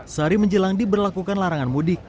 sehari menjelang diberlakukan larangan mudik